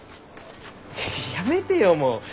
やめてよもう。